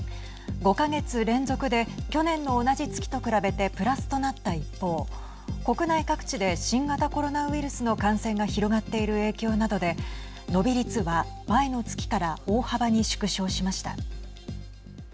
５か月連続で去年の同じ月と比べてプラスとなった一方国内各地で新型コロナウイルスの感染が広がっている影響などで伸び率は前の月から大幅に縮小しました。